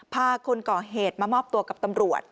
คนก่อเหตุมามอบตัวกับตำรวจ